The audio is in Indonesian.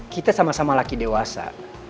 kita sama sama laki dewasa